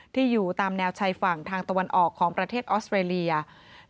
อยู่ตามแนวชายฝั่งทางตะวันออกของประเทศออสเตรเลีย